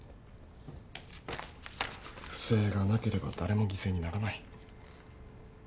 不正がなければ誰も犠牲にならない。